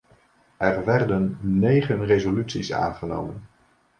Er werden negen resoluties aangenomen.